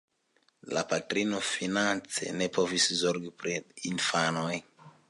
La patrino finance ne povis zorgi pri la infanoj.